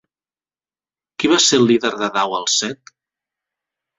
Qui va ser el líder de Dau al Set?